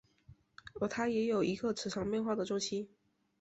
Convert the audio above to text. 而它也有一个磁场改变的周期。